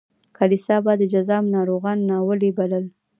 کلیسا به د جذام ناروغان ناولي بلل.